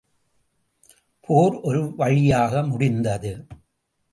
போர் ஒரு வழியாக முடிந்தது.